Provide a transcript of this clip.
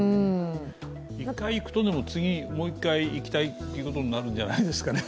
一回行くと、次にもう一回行きたいということになるんじゃないですかね。